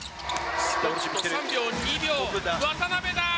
３秒、２秒、渡邉だ！